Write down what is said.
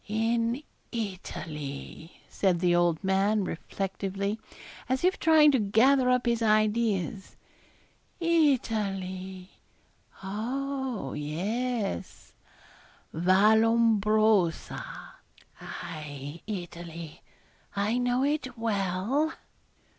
'In Italy,' said the old man, reflectively, as if trying to gather up his ideas, 'Italy. Oh! yes, Vallombrosa aye, Italy, I know it well.'